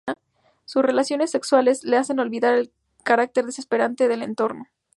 Sus relaciones sensuales les hacen olvidar el carácter desesperante del entorno.